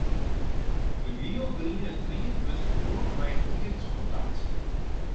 De gielgriene tried wurdt ferbûn mei it ierdkontakt.